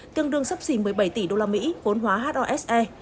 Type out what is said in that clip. tương đương sắp xỉ một mươi bảy tỷ đô la mỹ vốn hóa hose